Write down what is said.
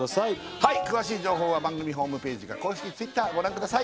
はい詳しい情報は番組ホームページか公式Ｔｗｉｔｔｅｒご覧ください